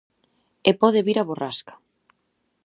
E pode vir a borrasca.